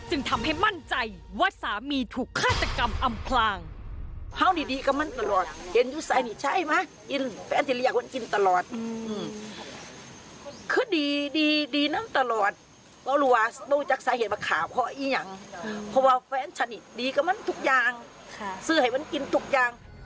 ทำให้มั่นใจว่าสามีถูกฆาตกรรมอำพลาง